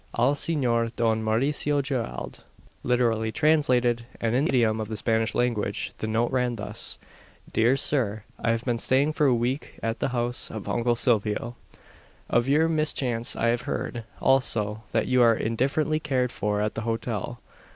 "Al Senor Don Mauricio Gerald." Literally translated, and in the idiom of the Spanish language, the note ran thus: "Dear Sir, I have been staying for a week at the house of Uncle Silvio. Of your mischance I have heard also, that you are indifferently cared for at the hotel.